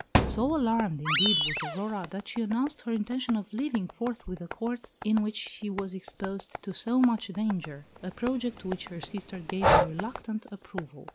So alarmed, indeed, was Aurora, that she announced her intention of leaving forthwith a Court in which she was exposed to so much danger a project to which her sister gave a reluctant approval.